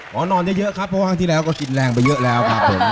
ข้างนอนเยอะครับเพราะข้างที่แล้วก็กินนิดแรงไปเยอะอยู่แล้ว